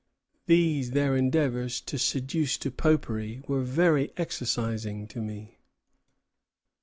These their endeavors to seduce to popery were very exercising to me."